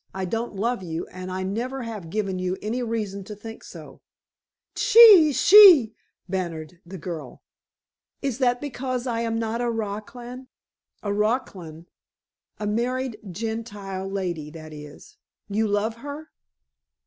I don't love you, and I have never given you any reason to think so." "Chee chee!" bantered the girl. "Is that because I am not a raclan?" "A raclan?" "A married Gentile lady, that is. You love her?"